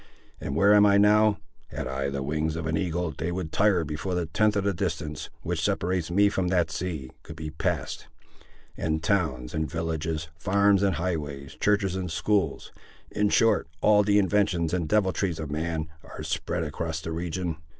And where am I now? Had I the wings of an eagle, they would tire before a tenth of the distance, which separates me from that sea, could be passed; and towns, and villages, farms, and highways, churches, and schools, in short, all the inventions and deviltries of man, are spread across the region.